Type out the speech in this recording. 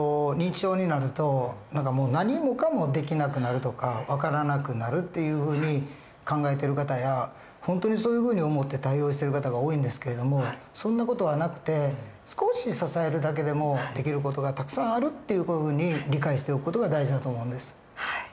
認知症になるともう何もかもできなくなるとか分からなくなるっていうふうに考えてる方や本当にそういうふうに思って対応してる方が多いんですけれどもそんな事はなくて少し支えるだけでもできる事がたくさんあるっていうふうに理解しておく事が大事だと思うんです。